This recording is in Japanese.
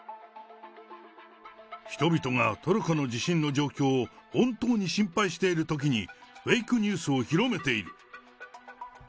人々がトルコの地震の状況を本当に心配しているときに、フェイクニュースを広めている。